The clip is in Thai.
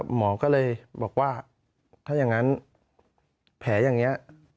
หมอก็เลยบอกว่าถ้าอย่างนั้นแผลอย่างนี้